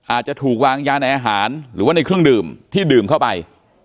อาจจะถูกวางยาในอาหารหรือว่าในเครื่องดื่มที่ดื่มเข้าไป